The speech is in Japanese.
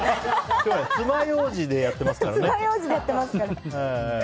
つまようじでやってますからね。